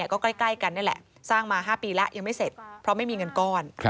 ก็ใกล้กันนี่แหละสร้างมา๕ปีแล้วยังไม่เสร็จเพราะไม่มีเงินก้อน